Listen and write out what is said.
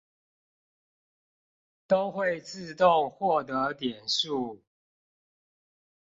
都會自動獲得點數